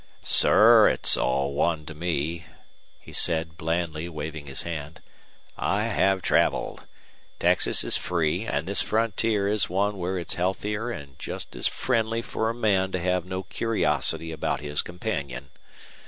"Sir, it's all one to me," he said, blandly, waving his hand. "I have traveled. Texas is free, and this frontier is one where it's healthier and just as friendly for a man to have no curiosity about his companion.